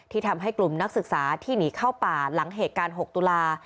ทำให้กลุ่มนักศึกษาที่หนีเข้าป่าหลังเหตุการณ์๖ตุลา